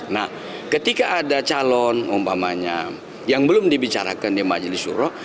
nah ketika ada calon umpamanya yang belum dibicarakan di majelis suro